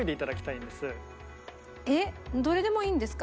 なんでもいいんですか？